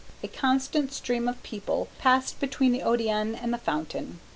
A constant stream of people passed between the Odéon and the fountain.